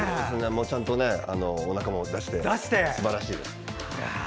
ちゃんとおなかも出してすばらしいです。